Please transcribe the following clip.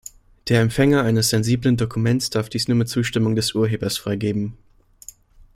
Der Empfänger eines sensiblen Dokuments darf dies nur mit Zustimmung des Urhebers freigeben.